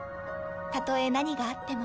たとえ何があっても。